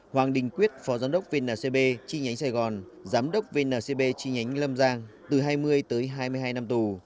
hoàng đình quyết phó giám đốc vncb chi nhánh sài gòn giám đốc vncb chi nhánh lâm giang từ hai mươi tới hai mươi hai năm tù